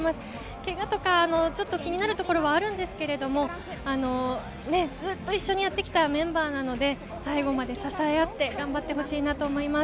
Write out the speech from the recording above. ケガとか気になるところはあるんですけれども、ずっと一緒にやってきたメンバーなので最後まで支え合って頑張ってほしいなと思います。